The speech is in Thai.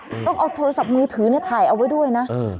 อืมต้องเอาโทรศัพท์มือถือน่ะถ่ายเอาไว้ด้วยน่ะอืม